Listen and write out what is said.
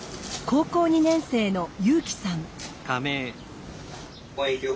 高校２年生の優輝さん。